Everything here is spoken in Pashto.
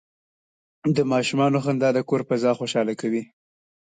د ماشومانو خندا د کور فضا خوشحاله کوي.